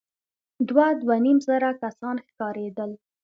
دوه ، دوه نيم زره کسان ښکارېدل.